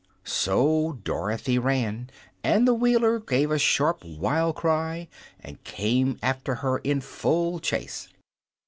So Dorothy ran, and the Wheeler gave a sharp, wild cry and came after her in full chase.